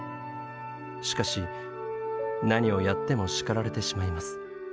しかし何をやっても叱られてしまいます。